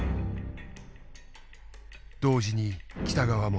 同時に北側も。